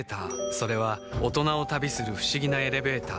それは大人を旅する不思議なエレベーター